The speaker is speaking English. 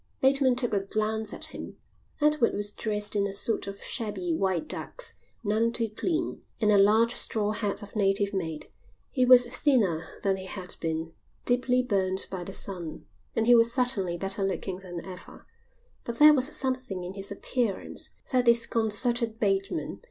Bateman took a glance at him. Edward was dressed in a suit of shabby white ducks, none too clean, and a large straw hat of native make. He was thinner than he had been, deeply burned by the sun, and he was certainly better looking than ever. But there was something in his appearance that disconcerted Bateman.